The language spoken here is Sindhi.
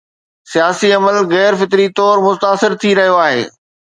سياسي عمل غير فطري طور متاثر ٿي رهيو آهي.